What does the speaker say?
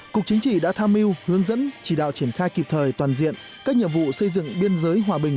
cục chính trị đã tham mưu hướng dẫn chỉ đạo triển khai kịp thời toàn diện các nhiệm vụ xây dựng biên giới hòa bình